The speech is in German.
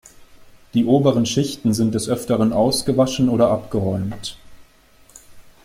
Die oberen Schichten sind des Öfteren ausgewaschen oder abgeräumt.